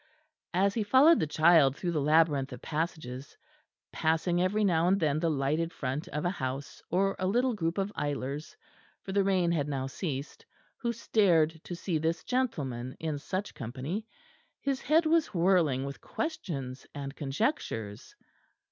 As he followed the child through the labyrinth of passages, passing every now and then the lighted front of a house, or a little group of idlers (for the rain had now ceased) who stared to see this gentleman in such company, his head was whirling with questions and conjectures.